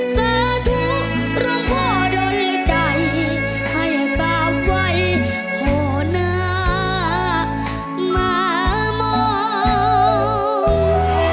เสิร์ฟทุกรมพ่อโดนใจให้เสิร์ฟไว้โหเนื้อมามอง